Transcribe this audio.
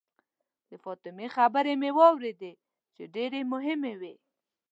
د فاطمې خبرې مې واورېدې چې ډېرې مهمې وې.